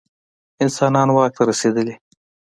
انسانان واک ته رسېدلي.